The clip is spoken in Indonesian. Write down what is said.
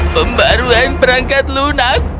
pembaruan perangkat lunak